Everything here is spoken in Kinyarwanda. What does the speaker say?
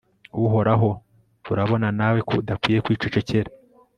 uhoraho, urabona nawe ko udakwiye kwicecekera